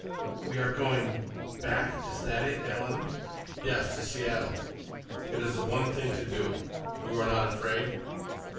"We are going—back? Is that it, Alan?" "Yes, to Seattle. It is the one thing to do. You are not afraid?"